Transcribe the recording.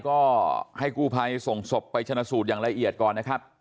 ก็ให้กู้ภัยส่งศพไปชนะสูตรอย่างละเอียดก่อนนะครับ